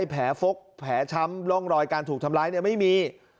แผลฟกแผลช้ำร่องรอยการถูกทำร้ายไม่มี